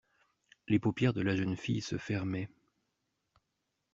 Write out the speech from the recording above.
Les paupières de la jeune fille se fermaient.